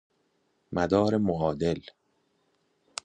مدار معادل